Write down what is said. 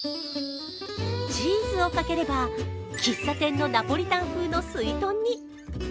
チーズをかければ喫茶店のナポリタン風のすいとんに。